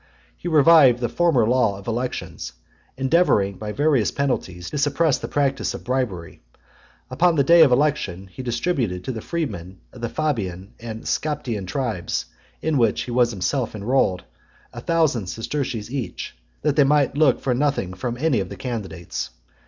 He revived the former law of elections, endeavouring, by various penalties, to suppress the practice of bribery. Upon the day of election, he distributed to the freemen of the Fabian and Scaptian tribes, in which he himself was enrolled, a thousand sesterces each, that they might look for nothing from any of the candidates.